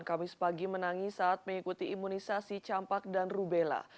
kami sepagi menangis saat mengikuti imunisasi campak dan rubella